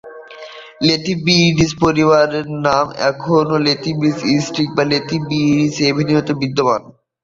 Lethbridge পরিবারের নাম এখনও লেথব্রিজ স্ট্রিট ও লেথব্রিজ এভিনিউতে বিদ্যমান।